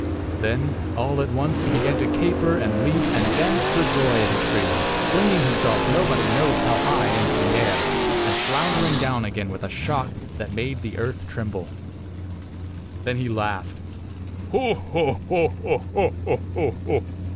Then all at once he began to caper and leap and dance for joy at his freedom, flinging himself nobody knows how high into the air, and floundering down again with a shock that made the earth tremble. Then he laughed "ho! ho!